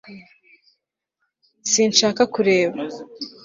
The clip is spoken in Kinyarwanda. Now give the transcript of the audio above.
sinshaka kureba